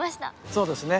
そうですね。